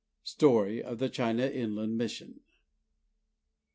_Story of the China Inland Mission.